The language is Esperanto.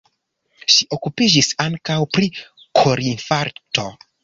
Ŝi okupiĝis ankaŭ pri korinfarkto.